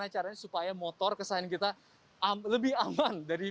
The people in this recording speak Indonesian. nah insya allah aman